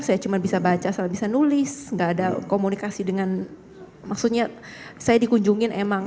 saya cuma bisa baca saya bisa nulis nggak ada komunikasi dengan maksudnya saya dikunjungin emang